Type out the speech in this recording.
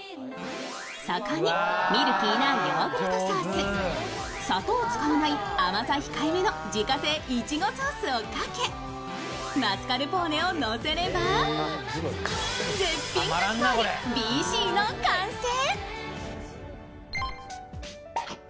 そこにミルキーなヨーグルトソース、砂糖を使わない甘さ控えめの自家製いちごソースをかけ、マスカルポーネをのせれば絶品かき氷、ＢＣの完成。